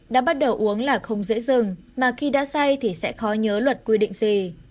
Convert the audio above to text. đã bắt đầu uống là không dễ dừng mà khi đã say thì sẽ khó nhớ luật quy định gì